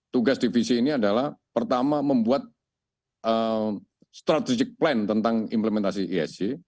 tugas divisi ini adalah pertama membuat strategic plan tentang implementasi isg